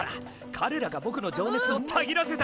かれらがぼくの情熱をたぎらせた！